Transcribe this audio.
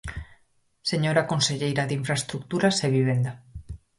Señora conselleira de Infraestruturas e Vivenda.